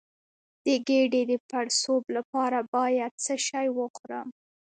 د ګیډې د پړسوب لپاره باید څه شی وخورم؟